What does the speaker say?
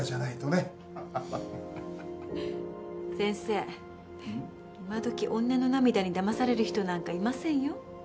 先生今どき女の涙に騙される人なんかいませんよ。